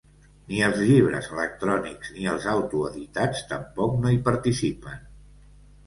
Ni els llibres electrònics ni els autoeditats tampoc no hi participen.